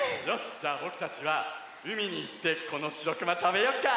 じゃあぼくたちはうみにいってこのしろくまたべよっか！